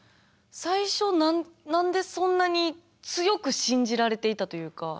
最初何でそんなに強く信じられていたというか。